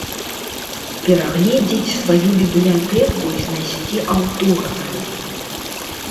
Перагледзець сваю бібліятэку і знайсці аўтографы.